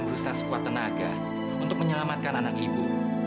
terus sekarang juga lu ikut aku